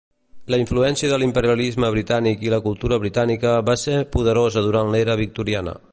La influència de l'imperialisme britànic i la cultura britànica va ser poderosa durant l'era victoriana.